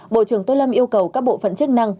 bộ trưởng tô lâm yêu cầu các bộ phận chức năng